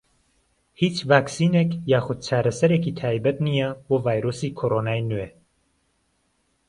هیچ ڤاکسینێک یاخود چارەسەرێکی تایبەت نییە بۆ ڤایرۆسی کۆرۆنای نوێ.